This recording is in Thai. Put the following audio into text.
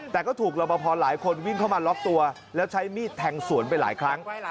แต่ก็ถูกรับประพอหลายคนวิ่งเข้ามาล็อกตัวแล้วใช้มีดแทงสวนไปหลายครั้ง